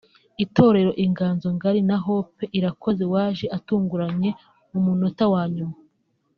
itorero Inganzo ngari na Hope Irakoze waje atunguranye ku munota wa nyuma